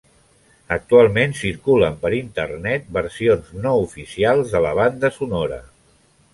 Actualment circulen per Internet, versions no oficials de la banda sonora.